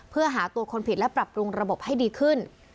เพื่อหาตัวคนผิดและปรับปรุงระบบให้ดีขึ้น